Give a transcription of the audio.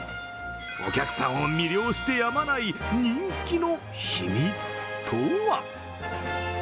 お客さんを魅了してやまない人気の秘密とは？